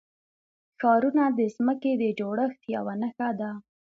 ښارونه د ځمکې د جوړښت یوه نښه ده.